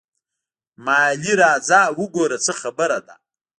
مالې راځه وګوره څه خبره ده.